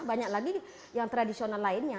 banyak lagi yang tradisional lainnya